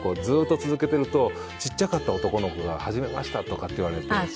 ずっと続けてるとちっちゃかった男の子が始めました！とかって言われて。